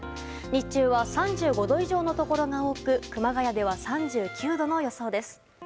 日中は３５度以上のところが多く熊谷では３９度の予想です。